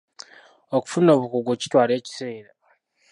Okufuna obukugu kitwala ekiseera.